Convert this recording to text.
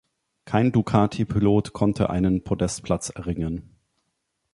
Kein Ducati-Pilot konnte einen Podestplatz erringen.